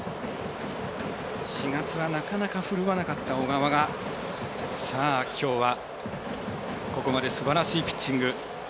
４月はなかなかふるわなかった小川がきょうは、ここまですばらしいピッチング。